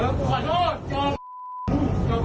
เดี๋ยวเขาโพสต์ดู